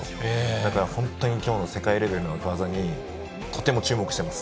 だから本当にきょうの世界レベルの技にとても注目しています。